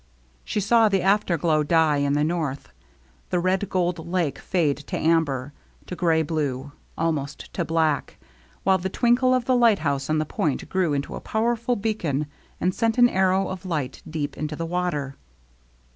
She saw the afterglow die in the north, the red gold lake fade to amber, to gray blue, almost to black, while the twinkle of the lighthouse on the point grew into a powerful beacon and sent an arrow of light deep into the water.